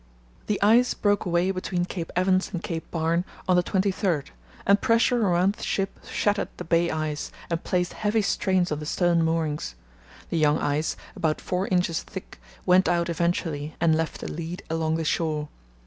The ice broke away between Cape Evans and Cape Barne on the 23rd, and pressure around the ship shattered the bay ice and placed heavy strains on the stern moorings. The young ice, about four inches thick, went out eventually and left a lead along the shore.